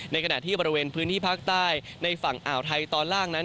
ในขณะที่บริเวณพื้นที่ภาคใต้ในฝั่งอ่าวไทยตอนล่างนั้น